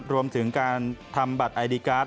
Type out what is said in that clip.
รวมถึงการทำบัตรไอดีการ์ด